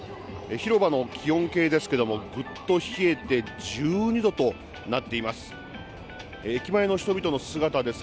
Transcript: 広場の気温計ですけれども、ぐっと冷えて、１２度となっています。